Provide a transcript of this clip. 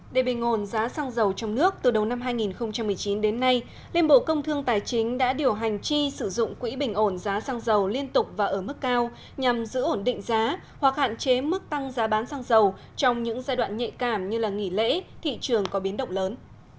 để bình ổn giá xăng dầu trong nước từ đầu năm hai nghìn một mươi chín đến nay liên bộ công thương tài chính đã điều hành chi sử dụng quỹ bình ổn giá xăng dầu liên tục và ở mức cao nhằm giữ ổn định giá hoặc hạn chế mức tăng giá bán xăng dầu trong những giai đoạn nhạy cảm như nghỉ lễ thị trường có biến động lớn